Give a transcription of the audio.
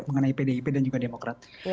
mengenai pdip dan juga demokrat